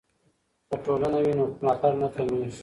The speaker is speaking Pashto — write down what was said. که ټولنه وي نو ملاتړ نه کمیږي.